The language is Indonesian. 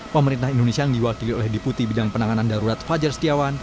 pemerintah indonesia yang diwakili oleh deputi bidang penanganan darurat fajar setiawan